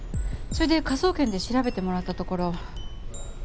それで科捜研で調べてもらったところ。